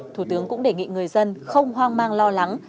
thủ tướng cũng đề nghị người dân không hoang mang lo lắng